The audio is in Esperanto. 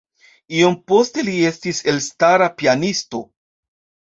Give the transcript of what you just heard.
Iom poste li estis elstara pianisto.